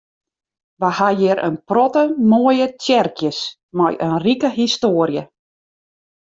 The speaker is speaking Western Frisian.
Wy ha hjir in protte moaie tsjerkjes mei in rike histoarje.